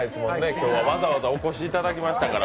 今日はわざわざお越しいただきましたから。